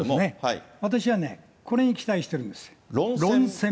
私はね、これに期待しているんです。